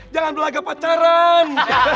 jangan berlagak pacaran